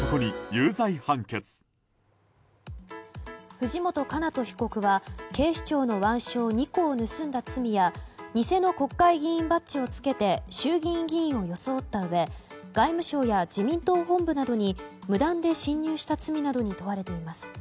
藤本叶人被告は警視庁の腕章２個を盗んだ罪や偽の国会議員バッジをつけて衆議院議員を装ったうえ外務省や自民党本部などに無断で侵入した罪などに問われています。